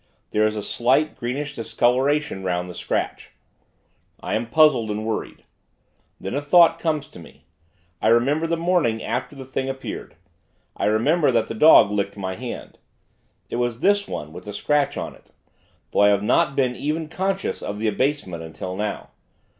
There is a slight, greenish discoloration 'round the scratch. I am puzzled and worried. Then a thought comes to me. I remember the morning after the Thing appeared. I remember that the dog licked my hand. It was this one, with the scratch on it; though I have not been even conscious of the abasement, until now.